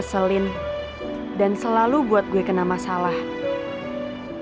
tapi gue gak tega banget liat batu bata ada di kota gue